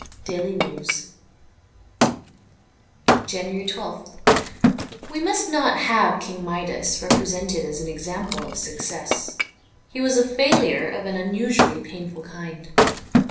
' Daily News:' JANUARY 1 2th WE must not have King Midas represented as an example of success ; he was a failure of an unusually painful kind.